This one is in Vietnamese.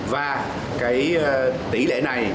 và cái tỷ lệ này